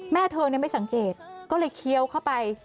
แม่เธอไม่สังเกตก็เลยเคี้ยวเข้าไป